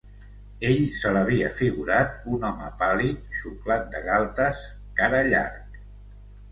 Ell se l'havia figurat un home pàl·lid, xuclat de galtes, cara llarg